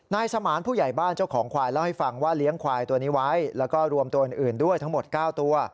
นายสมานผู้ใหญ่บ้านเจ้าของควายเล่าให้ฟังว่าเลี้ยงควายตัวนี้ไว้แล้วก็รวมตัวอื่นด้วยทั้งหมด๙ตัว